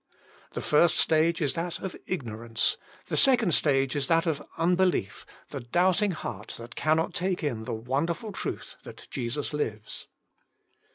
The first stage is that of igno rance, the second stage is that of unbe lief — the doubting heart that cannot take in the wonderful truth that Jesus lives.